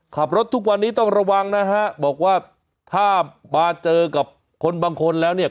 ขับรถทุกวันนี้ต้องระวังนะฮะบอกว่าถ้ามาเจอกับคนบางคนแล้วเนี่ย